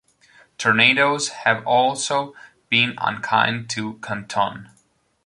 Tornadoes have also been unkind to Canton.